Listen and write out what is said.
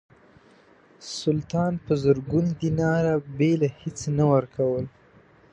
سلطان په زرګونو دیناره بېله هیڅه نه ورکول.